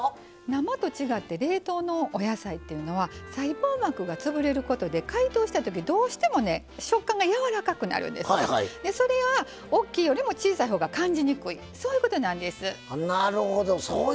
生と違って冷凍のお野菜は細胞膜が潰れることで解凍したときどうしても食感がやわらかくなるんですそれは大きいよりも小さいほうが感じにくいそういうことなんです。